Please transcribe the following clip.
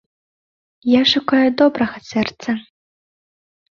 Я шукаю добрага сэрца.